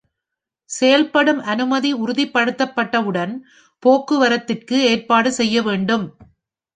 செயல்படும் அனுமதி உறுதிப்படுத்தப்பட்டவுடன், போக்குவரத்துக்கு ஏற்பாடு செய்யவேண்டும்.